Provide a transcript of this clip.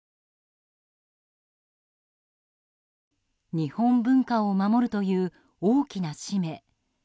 日本文化を守るという大きな使命。